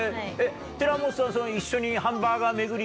寺本さん一緒に。